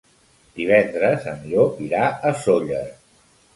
Divendres en Llop irà a Sóller.